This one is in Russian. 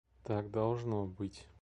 Так должно быть.